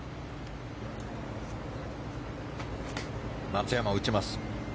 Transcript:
松山、打ちます。